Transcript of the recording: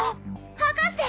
博士！